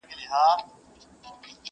که په خوب دي جنت و نه لید بیا وایه,